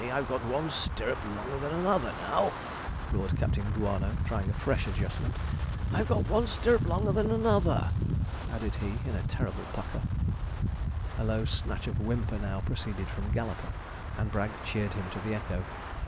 I've got one stirrup longer than another now!' roared Captain Guano, trying the fresh adjustment. 'I've got one stirrup longer than another!' added he in a terrible pucker. A low snatch of a whimper now proceeded from Galloper, and Bragg cheered him to the echo.